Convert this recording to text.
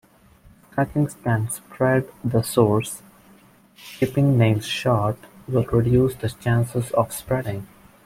Scratching can spread the sores; keeping nails short will reduce the chances of spreading.